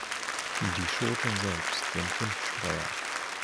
Die Schoten selbst sind Windstreuer.